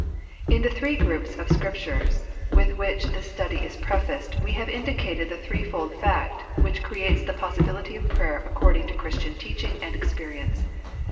In the three groups of Scriptures with which this study is prefaced we have indicated the threefold fact which creates the possibility of prayer according to Christian teaching and ex perience.